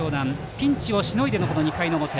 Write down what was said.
ピンチをしのいでの２回の表。